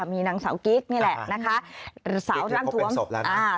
มีนางสาวกิ๊กนี่แหละนะคะ